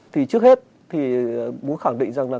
thì trước hết thì muốn khẳng định rằng là